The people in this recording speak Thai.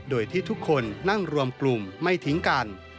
โดยที่ทุกคนนั่งรวมกลุ่มไม่ทิ้งกัน